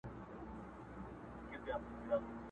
د سوځېدلو قلاګانو او ښارونو کوي!!